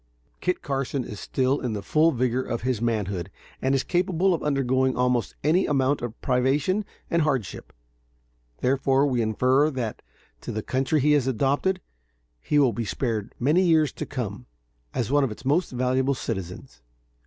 Kit Carson is still in the full vigor of his manhood, and is capable of undergoing almost any amount of privation and hardship; therefore we infer that to the country he has adopted; he will be spared many years to come, as one of its most valuable citizens.